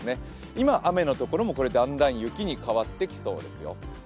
今、雨の所もだんだん雪に変わってきそうですよ。